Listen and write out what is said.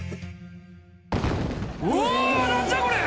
うわ何じゃこれ！